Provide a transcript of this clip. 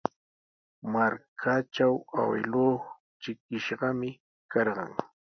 Markantraw awkilluu trikishqami karqan.